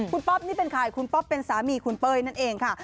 คุณป๊อปนี่เป็นใครคุณป๊อปเป็นสามีคุณเป้ยนั่นเองค่ะ